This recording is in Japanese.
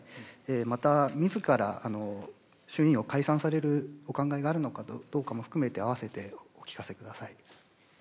また、みずから衆議院を解散されるお考えがあるのかどうかも含めて併せてお聞かせください。